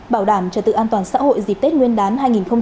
bảo đảm cho tự an toàn xã hội dịp tết nguyên đán hai nghìn hai mươi hai